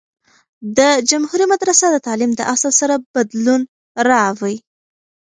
د جمهوری مدرسه د تعلیم د اصل سره بدلون راووي.